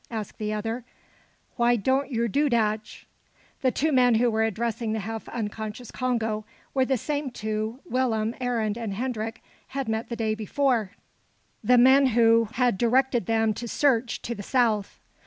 asked the other. "Why don't yer do datch?" The two men who were addressing the half unconscious Congo were the same two Willem, Arend, and Hendrik had met the day before, the men who had directed them to search to the south.